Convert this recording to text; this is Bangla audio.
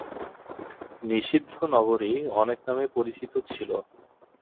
নিষিদ্ধ নগরী অনেক নামে পরিচিত ছিল।